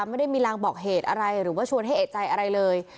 ไม่ได้มีรางบอกเหตุอะไรหรือว่าชวนให้เอกใจอะไรเลย